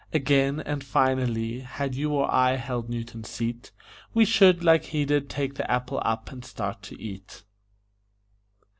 Again, and finally, had you or I held Newton's seat, We should, like he did, take the apple up and start to eat.